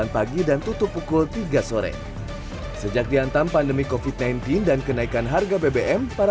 delapan pagi dan tutup pukul tiga sore sejak dihantam pandemi kofit sembilan belas dan kenaikan harga bbm para